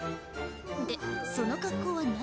でその格好は何？